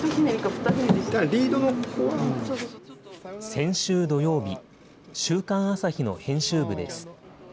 先週土曜日、週刊朝日の編集部です。